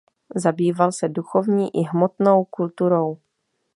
Zabýval se duchovní i hmotnou kulturou.